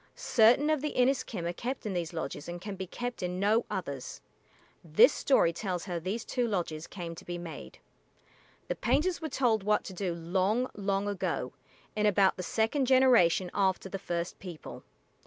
Certain of the Inis´kim are kept in these lodges and can be kept in no others. This story tells how these two lodges came to be made. The painters were told what to do long, long ago, "in about the second generation after the first people."